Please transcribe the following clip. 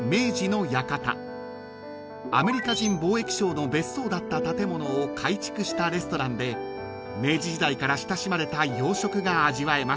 ［アメリカ人貿易商の別荘だった建物を改築したレストランで明治時代から親しまれた洋食が味わえます］